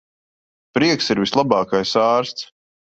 Prieks ir vislabākais ārsts.